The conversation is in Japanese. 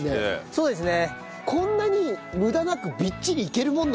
そうですね